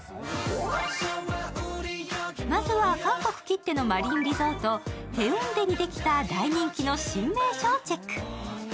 まずは韓国きってのマリンリゾート・ヘウンデにできた大人気の新名所をチェック。